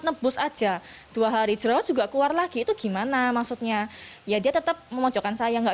nebus aja dua hari jerawat juga keluar lagi itu gimana maksudnya ya dia tetap memojokkan saya enggak